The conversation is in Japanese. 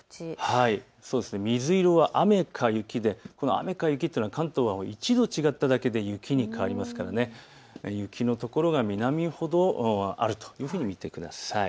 水色は雨か雪で雨か雪というのは関東、１度違っただけで雪に変わりますから雪の所が南ほどあるというふうに見てください。